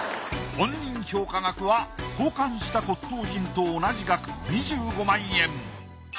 本人評価額は交換した骨董品と同じ額２５万円。